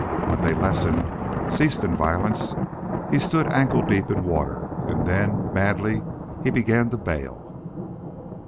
When they lessened ceased in violence he stood ankle deep in water, and then madly he began to bail.